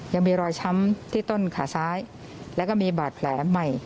ยังมีรอยช้ำที่ต้นขาซ้ายแล้วก็มีบาดแผลใหม่